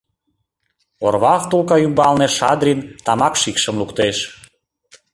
Орва втулка ӱмбалне Шадрин тамак шикшым луктеш.